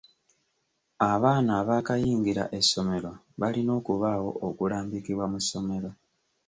Abaana abaakayingira essomero balina okubaawo okulambikibwa mu ssomero.